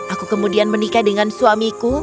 aku kemudian menikah dengan suamiku